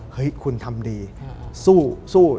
เฮ้ยคุณทำดีสู้